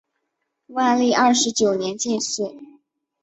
万历二十九年进士。